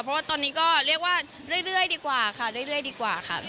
เพราะว่าตอนนี้ก็เรียกว่าเรื่อยดีกว่าค่ะ